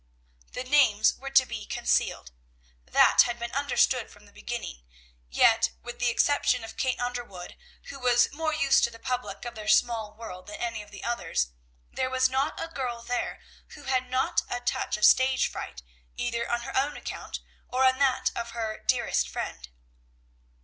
The names were to be concealed; that had been understood from the beginning, yet, with the exception of Kate Underwood, who was more used to the public of their small world than any of the others, there was not a girl there who had not a touch of stage fright, either on her own account, or on that of her "dearest friend."